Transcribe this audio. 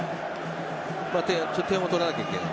点を取らなければいけない